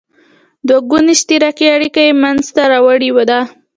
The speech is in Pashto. دوه ګوني اشتراکي اړیکه یې مینځته راوړې ده.